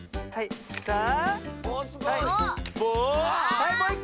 はいもういっこ！